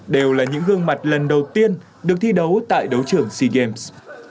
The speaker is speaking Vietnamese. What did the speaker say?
đều là những gương mặt lần đầu tiên được thi đấu tại đấu trưởng sea games